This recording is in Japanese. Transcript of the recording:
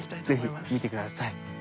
ぜひ見てください。